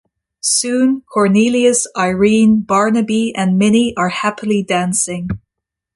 Soon, Cornelius, Irene, Barnaby, and Minnie are happily dancing.